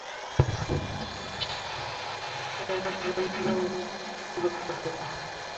কেননা, ফিরআউন ছিল সর্বাধিক অত্যাচারী।